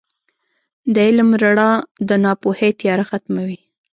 • د علم رڼا د ناپوهۍ تیاره ختموي.